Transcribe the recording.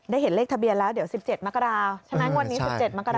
เห็นเลขทะเบียนแล้วเดี๋ยว๑๗มกราใช่ไหมงวดนี้๑๗มกราศ